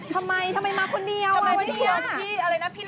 ทำไมทำไมมาคนเดียวว่ะวันนี้